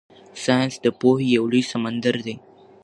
ساینس د پوهې یو لوی سمندر دی.